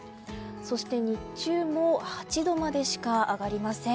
そして、日中も８度までしか上がりません。